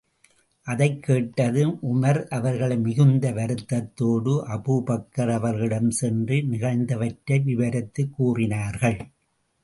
அதைக் கேட்டதும் உமர் அவர்கள் மிகுந்த வருத்தத்தோடு, அபூபக்கர் அவர்களிடம் சென்று நிகழ்ந்தவற்றை விவரித்துக் கூறினார்கள்!